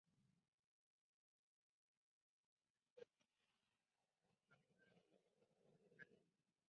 No se ha completado del grado en Geología de la Universidad de Brasilia.